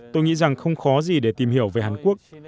tôi nghĩ rằng không khó gì để tìm hiểu về hàn quốc